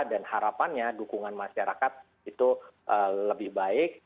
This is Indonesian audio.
dan harapannya dukungan masyarakat itu lebih baik